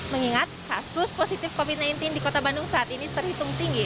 mengingat kasus positif covid sembilan belas di kota bandung saat ini terhitung tinggi